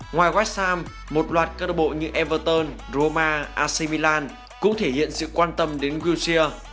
ngoài west ham một loạt các đội bộ như everton roma ac milan cũng thể hiện sự quan tâm đến wilshere